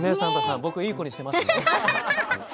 僕いい子にしています。